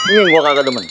ini gua kagak demen